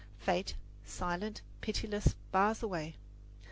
Fate, silent, pitiless, bars the way.